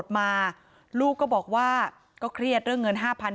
พี่สาวบอกว่าไม่ได้ไปกดยกเลิกรับสิทธิ์นี้ทำไม